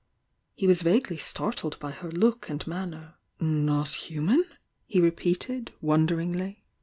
He was vaguely star tled by her look and manner. ,., "Not human? " he repeated, wondemgly.